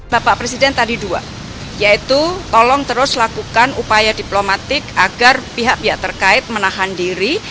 bapak presiden tadi dua yaitu tolong terus lakukan upaya diplomatik agar pihak pihak terkait menahan diri